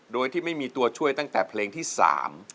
โดยที่ไม่มีตัวช่วยตั้งแต่เพลงที่สาม